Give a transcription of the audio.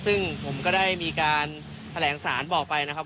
ซึ่งผมก็ได้มีการแถลงสารบอกไปนะครับ